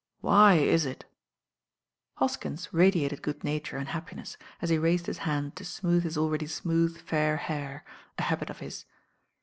"Why is it ?" Hoskins radiated good nature and happiness, a» he raised his hand to smooth his already smooth fair hair, a habit of his.